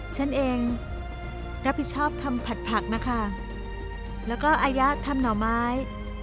ฉันเองรับผิดชอบทำผัดผักนะคะแล้วก็อายะทำหน่อไม้